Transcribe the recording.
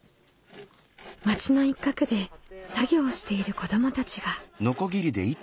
町の一角で作業をしている子どもたちが。